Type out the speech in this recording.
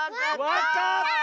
わかった！